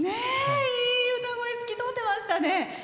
いい歌声透き通ってましたね。